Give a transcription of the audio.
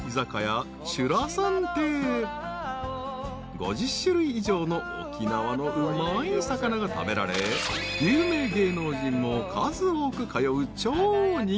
［５０種類以上の沖縄のうまい魚が食べられ有名芸能人も数多く通う超人気店］